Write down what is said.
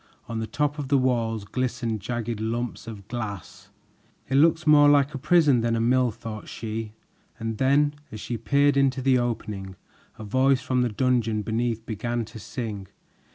On the top of the walls glistened jagged lumps of glass. "It looks more like a prison than a mill," thought she, and then as she peered into the opening, a voice from the dungeon beneath began to sing.